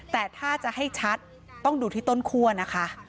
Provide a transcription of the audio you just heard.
แต่ถ้าจะให้ชัดต้องดูที่ต้นคั่วนะคะ